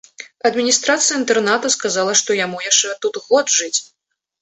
Адміністрацыя інтэрната сказала, што яму яшчэ тут год жыць.